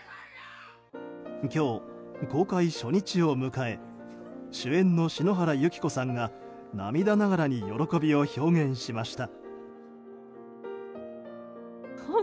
今日、公開初日を迎え主演の篠原ゆき子さんが涙ながらに喜びを表現しました。